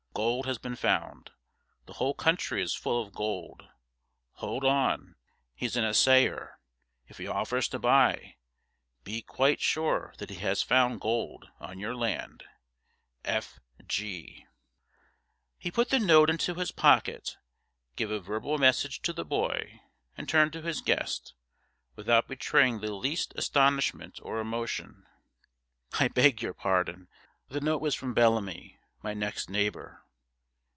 Gold has been found. The whole country is full of gold. Hold on. He's an assayer. If he offers to buy, be quite sure that he has found gold on your land. F.G. He put the note into his pocket, gave a verbal message to the boy, and turned to his guest, without betraying the least astonisment or emotion. 'I beg your pardon. The note was from Bellamy, my next neighbour.